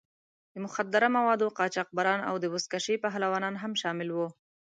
د مخدره موادو قاچاقبران او د بزکشۍ پهلوانان هم شامل وو.